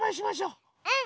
うん！